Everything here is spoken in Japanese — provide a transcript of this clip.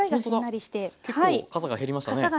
結構かさが減りましたね。